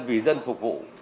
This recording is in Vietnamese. vì dân phục vụ